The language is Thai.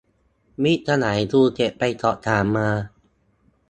มิตรสหายภูเก็ตไปสอบถามมา